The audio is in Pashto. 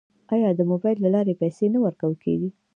آیا د موبایل له لارې پیسې نه ورکول کیږي؟